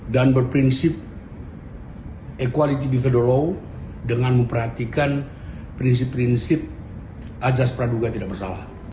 dan berprinsip equality be federal law dengan memperhatikan prinsip prinsip ajas praduga tidak bersalah